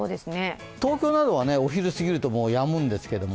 東京などはお昼過ぎるとやむんですけど